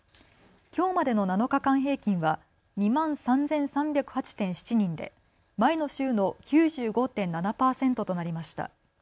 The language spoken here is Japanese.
きょうまでの７日間平均は２万３３０８．７人で前の週の９５．７％となりました。